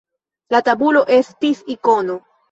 La tabulo estis ikono.